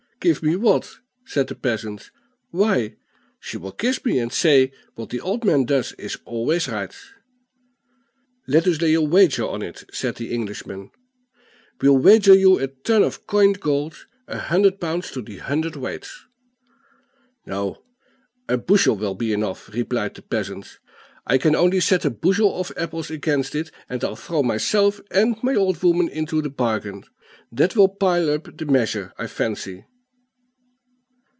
Give me what?" said the peasant. "Why, she will kiss me, and say, 'what the old man does is always right.'" "Let us lay a wager on it," said the Englishmen. "We'll wager you a ton of coined gold, a hundred pounds to the hundred weight." "No; a bushel will be enough," replied the peasant. "I can only set a bushel of apples against it, and I'll throw myself and my old woman into the bargain; that will pile up the measure, I fancy."